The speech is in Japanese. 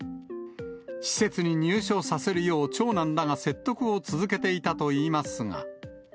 施設に入所させるよう、長男らが説得を続けていたといいますが。